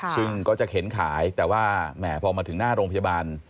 ซึ่งก็จะเข็นขายแต่ว่าแหมพอมาถึงหน้าโรงพยาบาล